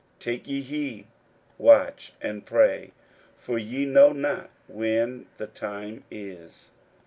41:013:033 Take ye heed, watch and pray: for ye know not when the time is.